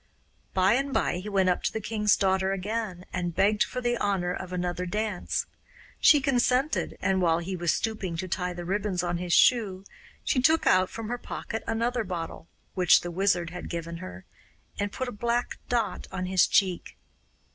By and by he went up to the king's daughter again, and begged for the honour of another dance. She consented, and while he was stooping to tie the ribbons on his shoe she took out from her pocket another bottle, which the Wizard had given her, and put a black dot on his cheek.